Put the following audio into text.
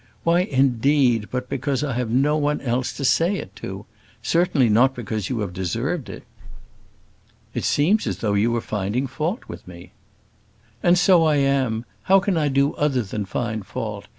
Why, indeed, but because I have no one else to say it to. Certainly not because you have deserved it." "It seems as though you were finding fault with me." "And so I am; how can I do other than find fault?